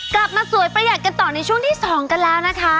กลับมาสวยประหยัดกันต่อในช่วงที่๒กันแล้วนะคะ